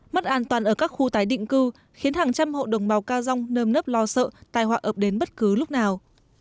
mất an toàn ở các khu tái định cư khiến hàng trăm hộ đồng bào ca dông nơm nớp lo sợ tài họa ập đến bất cứ lúc nào